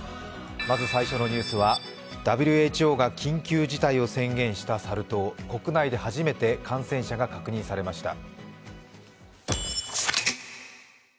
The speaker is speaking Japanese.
まず最初のニュースはＷＨＯが緊急事態を宣言したサル痘国内で初めて感染者が確認されました。